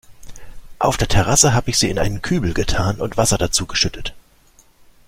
Auf der Terrasse hab ich sie in einen Kübel getan und Wasser dazu geschüttet.